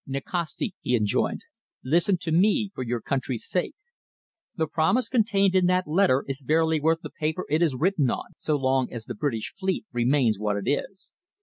"Nikasti," he enjoined, "listen to me, for your country's sake. The promise contained in that letter is barely worth the paper it is written on, so long as the British fleet remains what it is.